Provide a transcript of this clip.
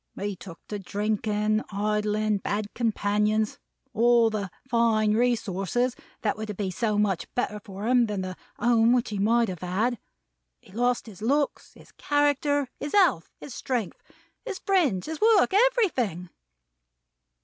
He took to drinking, idling, bad companions: all the fine resources that were to be so much better for him than the Home he might have had. He lost his looks, his character, his health, his strength, his friends, his work: everything!"